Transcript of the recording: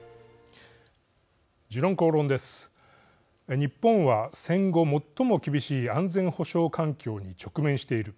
日本は戦後、最も厳しい安全保障環境に直面している。